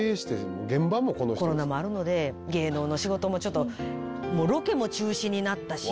コロナもあるので芸能の仕事もちょっとロケも中止になったし。